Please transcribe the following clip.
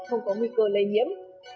không có nguy cơ lây nhiễm